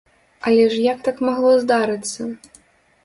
Але ж як так магло здарыцца?